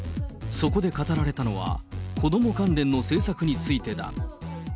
そこで語られたのは、子ども関連の政策についてだ。